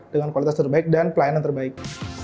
dengan kualitas terbaik dan pelayanan terbaik